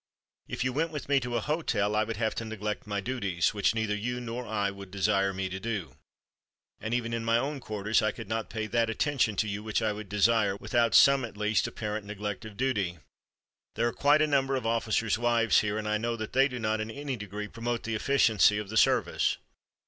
If you went with me to a hotel, I would have to neglect my duties, which neither you nor I would desire me to do. And even in my own quarters I could not pay that attention to you which I would desire without some, at least apparent, neglect of duty. There are quite a number of officers' wives here, and I know that they do not in any degree promote the efficiency of the service.